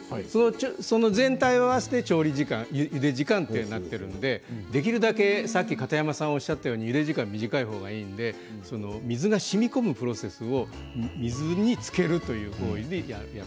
その全体を合わせて調理時間、ゆで時間となっているので、できるだけ片山さんがおっしゃったようにゆで時間、短い方がいいので水がしみこむプロセスを水につけるという行為でやる。